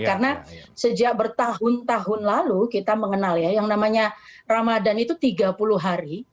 karena sejak bertahun tahun lalu kita mengenal ya yang namanya ramadan itu tiga puluh hari